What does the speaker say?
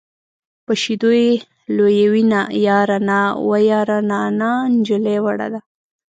په شیدو یې لویوینه یاره نا وه یاره نا نجلۍ وړه ده.